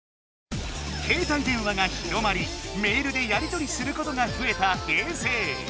携帯電話が広まりメールでやりとりすることがふえた平成。